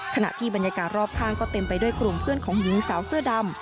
ขณะที่บรรยากาศรอบข้างก็เต็มไปด้วยกลุ่มเพื่อนของหญิงสาวเสื้อดำ